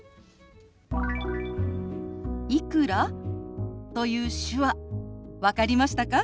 「いくら？」という手話分かりましたか？